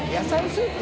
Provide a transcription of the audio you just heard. スープ？